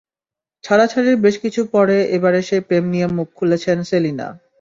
ছাড়াছাড়ির বেশ কিছু পরে এবারে সেই প্রেম নিয়ে মুখ খুলেছেন সেলিনা।